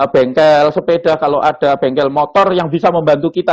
bengkel sepeda kalau ada bengkel motor yang bisa membantu kita